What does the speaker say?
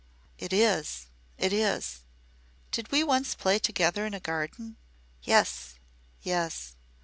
"It is it is." "Did we once play together in a garden?" "Yes yes."